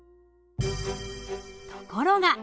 ところが！